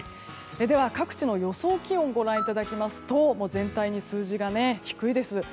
では、各地の予想気温ご覧いただきますと全体に数字が低いです。